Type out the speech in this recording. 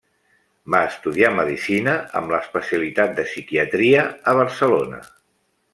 Va estudiar medicina, amb l'especialitat de psiquiatria, a Barcelona.